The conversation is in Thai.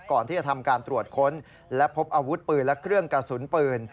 ก่อนที่จะทำการตรวจค้นและพบอาวุธปืนและเครื่องกระสุนปืน